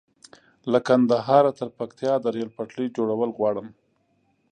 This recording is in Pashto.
له کندهاره تر پکتيا د ريل پټلۍ جوړول غواړم